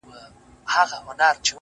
ستا په سترگو کي سندري پيدا کيږي!